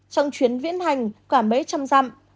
trong chuyến viễn hành quả mấy trăm dặm